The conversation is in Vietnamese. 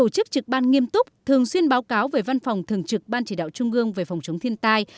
trực ban nghiêm túc thường xuyên báo cáo về văn phòng thường trực ban chỉ đạo trung ương về phòng chống thiên tai